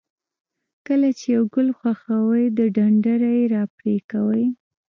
کله چې یو ګل خوښوئ د ډنډره یې را پرې کوئ.